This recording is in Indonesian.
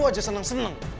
baru aja seneng seneng